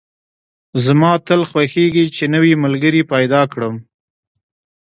زما تل خوښېږي چې نوی ملګري پیدا کدم